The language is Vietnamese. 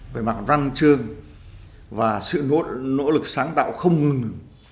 về mạng văn chương và sự nỗ lực sáng tạo không ngừng